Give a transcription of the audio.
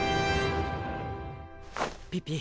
ピピ。